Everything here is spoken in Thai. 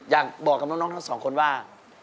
อยากบอกกับน้องทั้งสองคนว่า